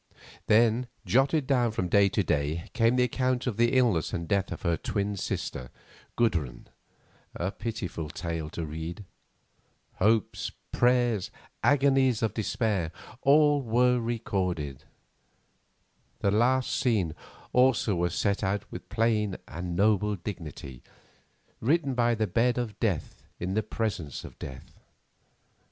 Then, jotted down from day to day, came the account of the illness and death of her twin sister, Gudrun, a pitiful tale to read. Hopes, prayers, agonies of despair, all were here recorded; the last scene also was set out with a plain and noble dignity, written by the bed of death in the presence of death.